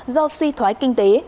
do suy thoái kinh tế